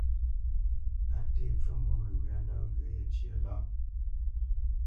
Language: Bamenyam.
Á tê pfə mwô məŋgywa ndɔ̌ ŋgyə̂ yəcé lâʼ.